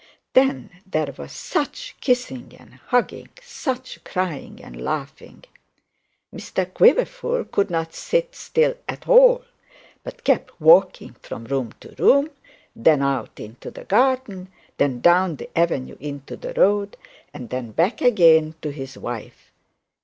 Then there was such kissing and hugging, such crying and laughing. Mr Quiverful could not sit still at all, but kept walking from room to room, then out into the garden, then down the avenue into the road, and then back again to his wife.